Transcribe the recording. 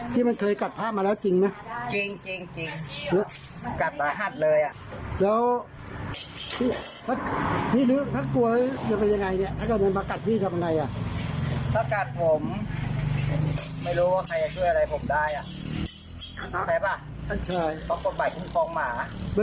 ต้องอบบ่ายฝึงฟองหมา